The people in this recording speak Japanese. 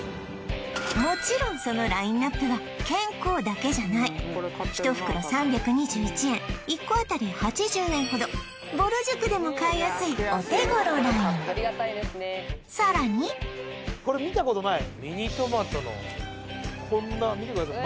もちろんそのラインナップは健康だけじゃない１袋３２１円１個あたり８０円ほどぼる塾でも買いやすいお手頃ラインさらにこんな見てください